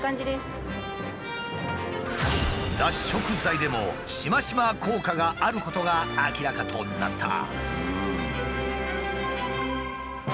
脱色剤でもシマシマ効果があることが明らかとなった。